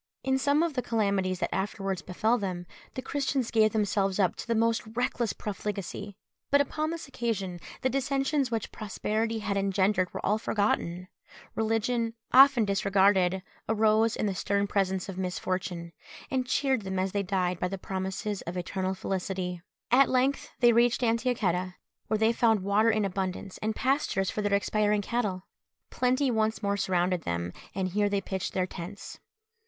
In some of the calamities that afterwards befell them, the Christians gave themselves up to the most reckless profligacy; but upon this occasion, the dissensions which prosperity had engendered were all forgotten. Religion, often disregarded, arose in the stern presence of misfortune, and cheered them as they died by the promises of eternal felicity. Fulcher of Chartres; Guibert de Nogent; Vital. William of Tyre; Mills; Wilken, &c. At length they reached Antiochetta, where they found water in abundance, and pastures for their expiring cattle. Plenty once more surrounded them, and here they pitched their tents.